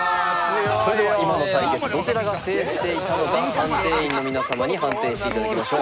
それでは今の対決どちらが制していたのか判定員の皆様に判定して頂きましょう。